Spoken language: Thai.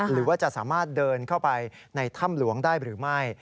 หรือว่าจะสามารถเดินเข้าไปในถ้ำหลวงได้หรือไม่